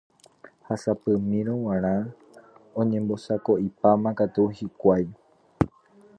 Ha sapy'amíramo g̃uarã oñembosako'ipáma katu hikuái.